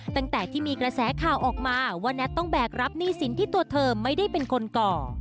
ตั้งแต่ที่มีกระแสข่าวออกมาว่าแน็ตต้องแบกรับหนี้สินที่ตัวเธอไม่ได้เป็นคนก่อ